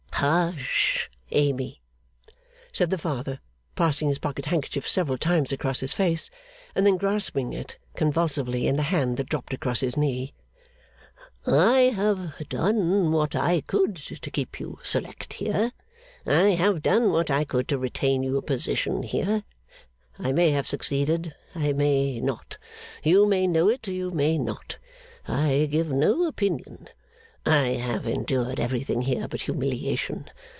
'Hush! Amy,' said the father, passing his pocket handkerchief several times across his face, and then grasping it convulsively in the hand that dropped across his knee, 'I have done what I could to keep you select here; I have done what I could to retain you a position here. I may have succeeded; I may not. You may know it; you may not. I give no opinion. I have endured everything here but humiliation.